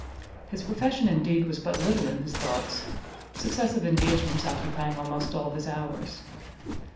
His profession, indeed, was but little in his thoughts, successive engagements occupying almost all his hours.